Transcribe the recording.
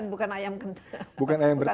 tapi ini ada yang menurut saya lebih murah